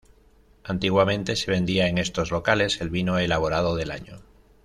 Antiguamente se vendía en estos locales el vino elaborado del año.